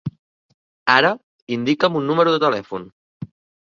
Ara indica'm un número de telèfon.